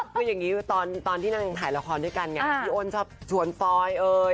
คืออย่างนี้ตอนที่นางถ่ายละครด้วยกันไงพี่อ้นชอบชวนฟอยเอ่ย